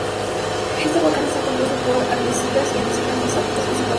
Este volcán está compuesto por andesitas y andesitas basálticas principalmente.